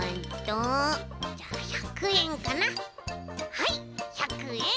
はい１００えん。